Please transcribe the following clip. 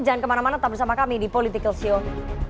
jangan kemana mana tetap bersama kami di political show